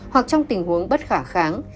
hoặc trong tình huống bất khả kháng